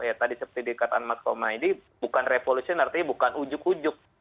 ya tadi seperti dikatakan mas toma ini bukan revolution artinya bukan ujug ujug